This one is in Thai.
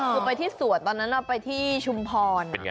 คือไปที่สวดตอนนั้นเราไปที่ชุมพร